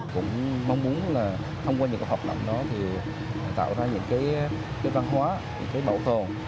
cũng mong muốn là thông qua những cái hoạt động đó thì tạo ra những cái văn hóa những cái bảo tồn